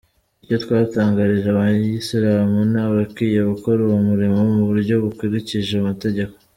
Icyo twatangarije, Abayislamu ni abakwiye gukora uwo murimo mu buryo bukurikije amategeko.